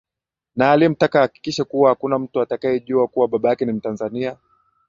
Na alimtaka ahakikishe kuwa hakuna mtu atakayejua kuwa baba yake ni mtanzania